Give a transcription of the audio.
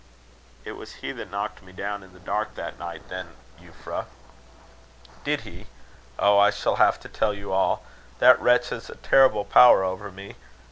"It was he that knocked me down in the dark that night then, Euphra." "Did he? Oh! I shall have to tell you all. That wretch has a terrible power over me.